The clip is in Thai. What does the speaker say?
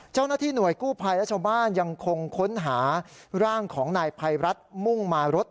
เจ้าหน้าที่หน่วยกู้ภัยและชาวบ้านยังคงค้นหาร่างของนายภัยรัฐมุ่งมารถ